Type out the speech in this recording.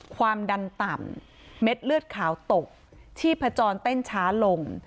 ความดันต่ำเม็ดเลือดขาวตกชีพจรเต้นช้าลง